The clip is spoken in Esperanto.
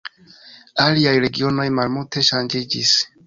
Aliaj regionoj malmulte ŝanĝiĝis.